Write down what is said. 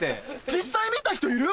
実際見た人いる？